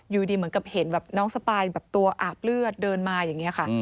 อยู่ดีเหมือนกับเห็นแบบน้องสปายแบบตัวอาบเลือดเดินมาอย่างนี้ค่ะ